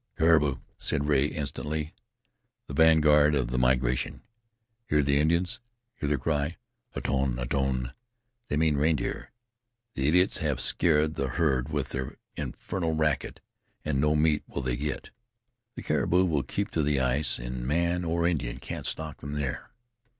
"Caribou," said Rea instantly. "The vanguard of the migration. Hear the Indians! Hear their cry: "Aton! Aton!" they mean reindeer. The idiots have scared the herd with their infernal racket, an' no meat will they get. The caribou will keep to the ice, an' man or Indian can't stalk them there."